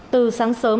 từ sáng sớm